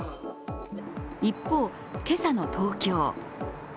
一方、今朝の東京。